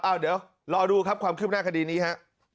เดี๋ยวรอดูครับความคืบหน้าคดีนี้ฮะ